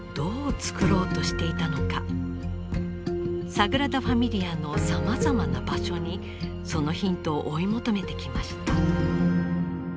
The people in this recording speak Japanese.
サグラダ・ファミリアのさまざまな場所にそのヒントを追い求めてきました。